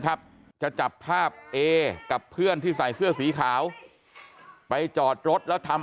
ครับจะจับภาพเอกับเพื่อนที่ใส่เสื้อสีขาวไปจอดรถแล้วทำ